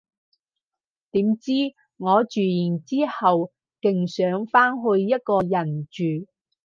點知，我住完之後勁想返去一個人住